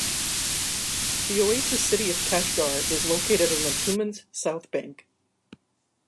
The oasis city of Kashgar is located on the Tuman's south bank.